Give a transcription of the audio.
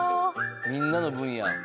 みんなの分や。